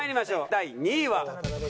第２位は。